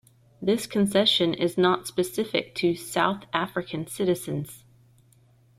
This concession is not specific to South African citizens.